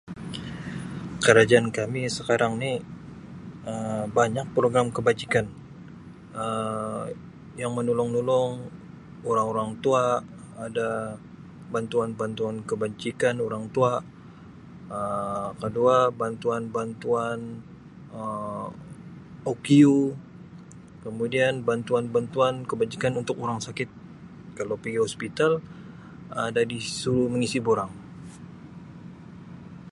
Kerajaan kami sekarang ni Um banyak program kebajikan Um yang menolong-nolong orang-orang tua ada bantuan-bantuan kebajikan orang tua Um kedua bantuan-bantuan Um OKU kemudian bantuan-bantuan kebajikan untuk orang sakit kalau pigi hospital ada disuruh mengisi borang.